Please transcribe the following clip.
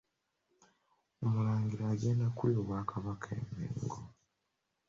Omulangira agenda okulya Obwakabaka e Mengo.